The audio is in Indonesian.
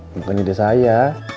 bukan ide saya